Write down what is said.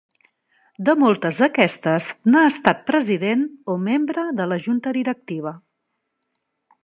De moltes d'aquestes n'ha estat president o membre de la junta directiva.